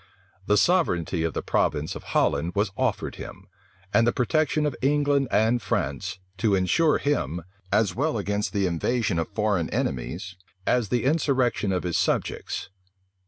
The sovereignty of the province of Holland was offered him, and the protection of England and France, to insure him, as well against the invasion of foreign enemies, as the insurrection of his subjects.